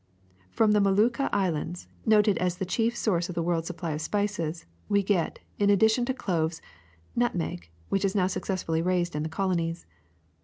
'' ''From the Molucca Islands, noted as the chief source of the world's supply of spices, we get, in ad dition to cloves, nutmeg, which is now successfully raised in our colonies.